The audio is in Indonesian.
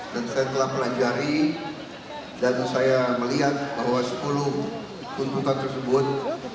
dan saya telah pelajari dan saya melihat bahwa sepuluh tuntukan tersebut